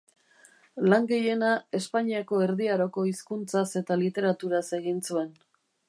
Lan gehiena Espainiako Erdi Aroko hizkuntzaz eta literaturaz egin zuen.